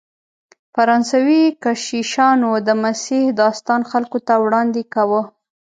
فرانسوي کشیشانو د مسیح داستان خلکو ته وړاندې کاوه.